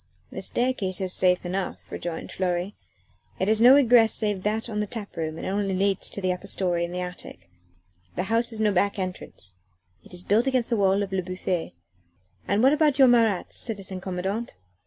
"The staircase is safe enough," rejoined Fleury; "it has no egress save that on the tap room and only leads to the upper story and the attic. The house has no back entrance it is built against the wall of Le Bouffay." "And what about your Marats, citizen commandant?"